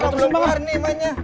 lu belum keluar nih mainnya